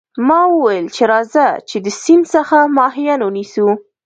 ما وویل چې راځه چې د سیند څخه ماهیان ونیسو.